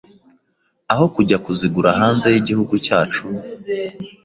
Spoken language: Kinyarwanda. aho kujya kuzigura hanze y’igihugu cyacu